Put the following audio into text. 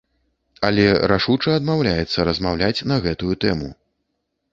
Але рашуча адмаўляецца размаўляць на гэтую тэму.